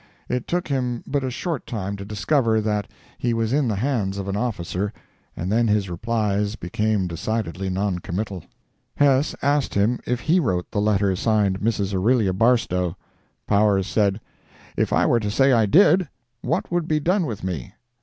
It took him but a short time to discover that he was in the hands of an officer, and then his replies became decidedly non committal. Hess asked him if he wrote the letter signed "Mrs. Aurelia Barstow." Powers said, "If I were to say I did, what would be done with me?